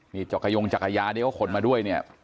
นี่จอกยงจักรยานที่เขาขนมาด้วยเนี่ย